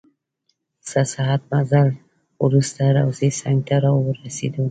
څه ساعت مزل نه وروسته روضې څنګ ته راورسیدو.